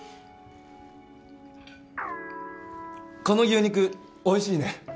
この牛肉美味しいね！